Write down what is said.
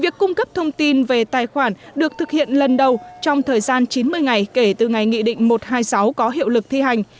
việc cung cấp thông tin về tài khoản được thực hiện lần đầu trong thời gian chín mươi ngày kể từ ngày nghị định một trăm hai mươi sáu có hiệu lực thi hành